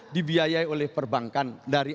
dibiayai oleh perbankan dari